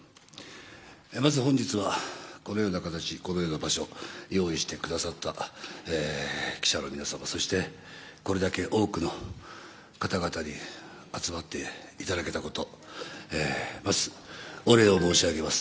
まず本日は、このような形このような場所を用意してくださった記者の皆様そして、これだけ多くの方々に集まっていただけたことまずお礼を申し上げます。